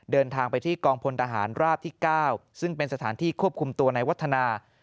เดินทางไปที่กองพลทหารราบที่๙ซึ่งเป็นสถานที่ควบคุมตัวในวัฒนา